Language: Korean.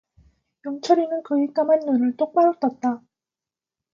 영철이는 그의 까만 눈을 똑바로 떴다.